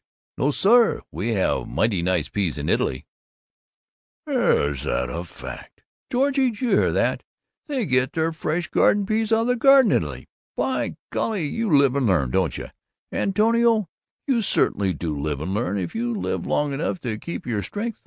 "No, sir, we have very nice peas in Italy." "Is that a fact! Georgie, do you hear that? They get their fresh garden peas out of the garden, in Italy! By golly, you live and learn, don't you, Antonio, you certainly do live and learn, if you live long enough and keep your strength.